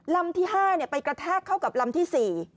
ลำที่๕ไปกระแทกเข้ากับลำที่๔